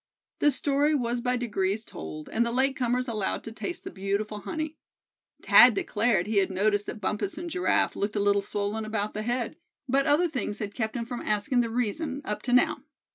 The story was by degrees told, and the late comers allowed to taste the beautiful honey. Thad declared he had noticed that Bumpus and Giraffe looked a little swollen about the head, but other things had kept him from asking the reason, up to now.